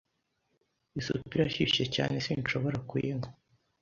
Isupu irashyushye cyane sinshobora kuyinywa.